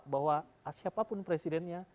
bahwa siapapun presidennya